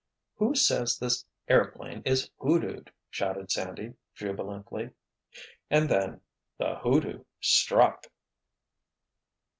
"Who says this airplane is hoodooed?" shouted Sandy, jubilantly. And then—the hoodoo struck!